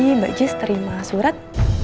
ini mbak jis terima surat